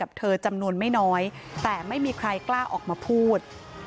เธอจำนวนไม่น้อยแต่ไม่มีใครกล้าออกมาพูด